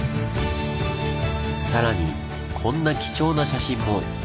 さらにこんな貴重な写真も！